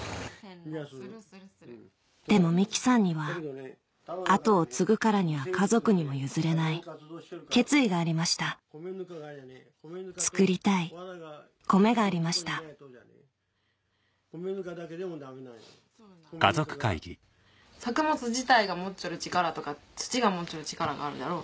でも美樹さんには後を継ぐからには家族にも譲れない決意がありました作りたい米がありました作物自体が持っちょる力とか土が持っちょる力があるじゃろ。